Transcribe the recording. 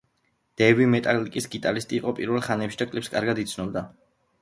დეივი მეტალიკის გიტარისტი იყო პირველ ხანებში და კლიფს კარგად იცნობდა.